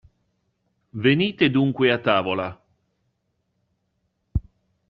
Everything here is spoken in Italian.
Venite dunque a tavola.